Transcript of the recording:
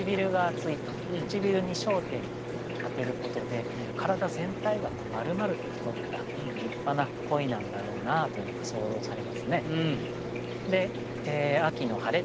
くちびるに焦点を当てることで体全体が丸々と太った立派な鯉なんだろうなというのが想像されますね。